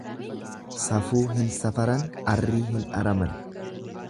Safuu hin safaran arrii hin araman.